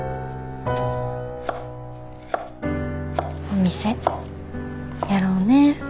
お店やろうね。